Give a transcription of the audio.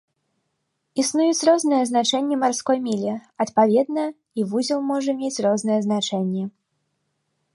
Існуюць розныя азначэнні марской мілі, адпаведна, і вузел можа мець розныя значэнні.